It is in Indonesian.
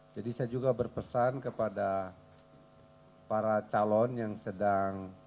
jadi saya juga berpesan kepada para calon yang sedang